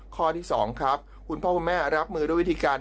ข้อที่๒ครับคุณพ่อคุณแม่รับมือด้วยวิธีการ